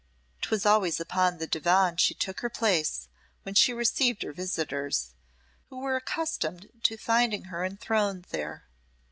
'Twas always upon the divan she took her place when she received her visitors, who were accustomed to finding her enthroned there.